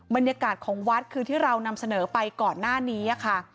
บรรยากาศของวัดคือที่เรานำเสนอไปก่อนหน้านี้ค่ะ